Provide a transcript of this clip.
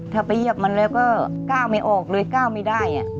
ถ้าไปเหยียบมันแล้วก็ก้าวไม่ออกเลยก้าวไม่ได้